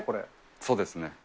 そうですね。